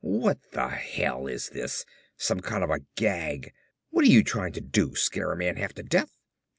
"What the hell is this, some kind of a gag! What are you trying to do, scare a man half to death!"